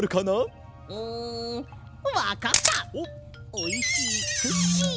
おいしいクッキー！